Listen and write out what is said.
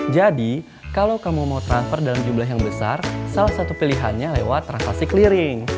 jadi kalau kamu mau transfer dalam jumlah yang besar salah satu pilihannya lewat transaksi clearing